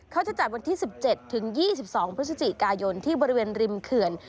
เขาจะจัดวันที่๑๗ถึง๒๒พฤศจิกายนที่บริเวณริมเขื่อน